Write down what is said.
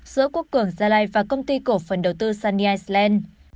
giữa quốc cường gia lai và công ty cổ phần đầu tư sunny slad